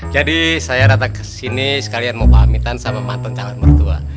jadi saya datang kesini sekalian mau pamitan sama mantan calon mertua